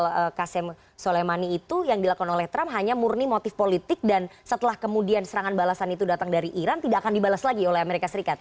kalau kasem soleimani itu yang dilakukan oleh trump hanya murni motif politik dan setelah kemudian serangan balasan itu datang dari iran tidak akan dibalas lagi oleh amerika serikat